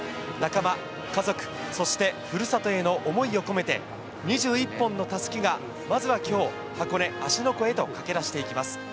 仲間、家族、そしてふるさとへの思いを込めて２１本の襷が、まずは今日、箱根・芦ノ湖へと駆け出していきます。